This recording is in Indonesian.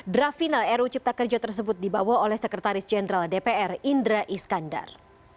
draft final ru cipta kerja tersebut dibawa oleh sekretaris jenderal dpr indra iskandar